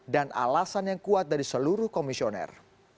dan alasan yang kuat dari seluruh komisioner